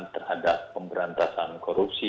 terhadap pemberantasan korupsi